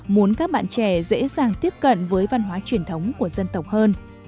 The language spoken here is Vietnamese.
muốn các bạn trẻ dễ dàng tiếp cận với văn hóa truyền thống của dân tộc hơn